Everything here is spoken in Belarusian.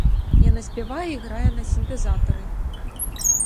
Яна спявае і грае на сінтэзатары.